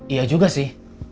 iya juga sih